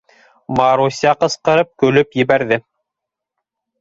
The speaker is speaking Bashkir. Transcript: Маруся ҡысҡырып көлөп ебәрҙе.